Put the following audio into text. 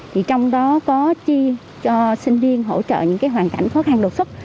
thì trong đó có chia cho sinh viên hỗ trợ những hoàn cảnh khó khăn thuộc sốc